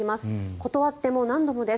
断っても何度もです。